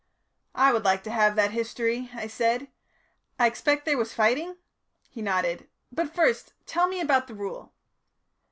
"I would like to have that history," I said. "I expect there was fighting?" He nodded. "But first tell me about the Rule."